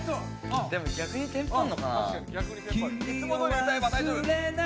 でも逆にテンパるのかな？